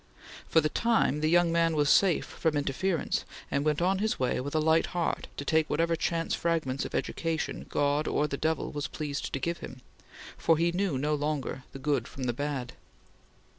For the time, the young man was safe from interference, and went on his way with a light heart to take whatever chance fragments of education God or the devil was pleased to give him, for he knew no longer the good from the bad.